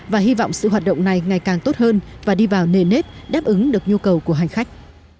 và hy vọng sự hoạt động này ngày càng tốt hơn và đi vào nề nếp đáp ứng được nhu cầu của hành khách